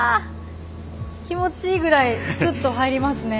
気持ちいいぐらいスッと入りますね